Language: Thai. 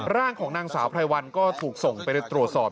ร่างของนางสาวไพรวัลก็ถูกส่งไปตรวจสอบ